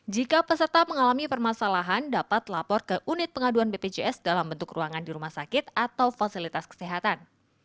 jika peserta mengalami permasalahan dapat lapor ke unit pengaduan bpjs dalam bentuk ruangan di rumah sakit atau fasilitas kesehatan